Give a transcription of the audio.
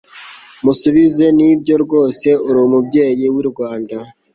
musubizenibyo rwose uri umubyeyi w'i rwanda